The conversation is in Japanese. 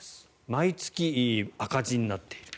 毎月赤字になっている。